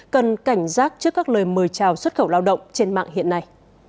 cần cảnh giác trước các lời mời chào xuất khẩu lao động trên mạng hiện nay